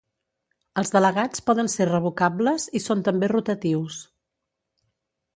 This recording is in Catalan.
Els delegats poden ser revocables i són també rotatius.